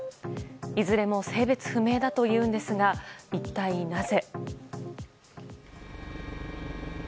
いずれも性別不明だというんですが一体なぜ？